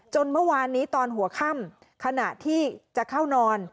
เมื่อวานนี้ตอนหัวค่ำขณะที่จะเข้านอน